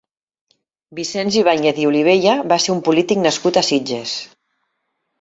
Vicenç Ibàñez i Olivella va ser un polític nascut a Sitges.